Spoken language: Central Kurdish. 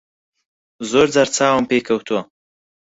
زۆر جار چاوم پێی کەوتووە.